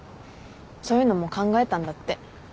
そういうのも考えたんだって。